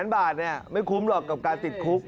๑๐๐๐๐๐บาทนี่ไม่คุ้มหรอกกับการติดคุก